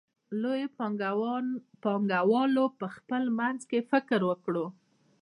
لویو پانګوالو په خپل منځ کې فکر وکړ